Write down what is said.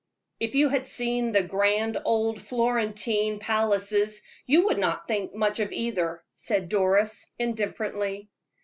"If you had seen the grand old Florentine, palaces, you would not think much of either," said Doris, indifferently.